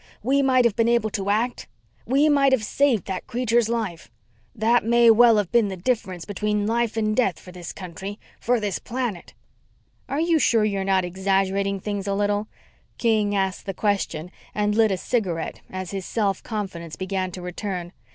We might have been able to act? We might have saved that creature's life. That may well have been the difference between life and death for this country. For this planet." "Are you sure you're not exaggerating things a little?" King asked the question and lit a cigarette as his self confidence began to return.